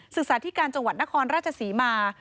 ศึกษาธิการจังหวัดนครราชศรีมา